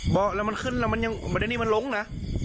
บอกแล้วมันขึ้นแล้วมันยังมดนิมันลงน่ะ